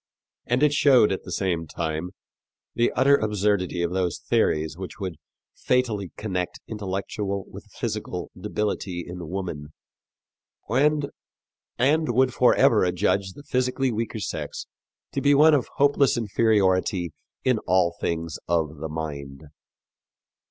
And it showed, at the same time, the utter absurdity of those theories which would fatally connect intellectual with physical debility in woman, and would forever adjudge the physically weaker sex to be of hopeless inferiority in all things of the mind.